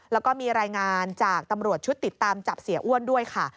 แล้วก็มีรายงานจากตำรวจชุดติดตามจับเสียอ้วนด้วยค่ะ